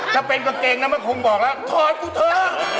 ถ้าเป็นเหลือเก่งมันคงบอกแล้วถอดกูเถอะ